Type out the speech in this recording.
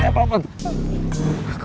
kepala dingin banget